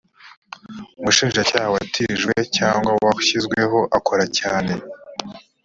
umushinjacyaha watijwe cyangwa washyizweho akoracyane.